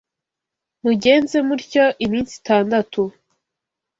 mugenze mutyo iminsi itandatu